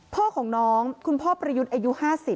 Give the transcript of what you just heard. พ่อของน้องคุณพ่อประยุทธ์อายุ๕๐